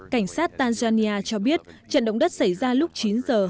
cảnh sát tanzania cho biết trận động đất xảy ra lúc chín h hai mươi bảy phút sáng ngày một mươi tháng